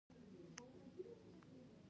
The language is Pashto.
یاقوت د افغانستان د طبیعي زیرمو برخه ده.